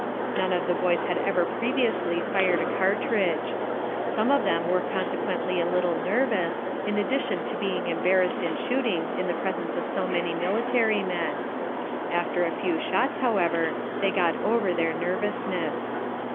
None of the boys had ever previously fired a cartridge. Some of them were consequently a little nervous, in addition to being embarrassed in shooting in the presence of so many military men. After a few shots, however, they got over their nervousness.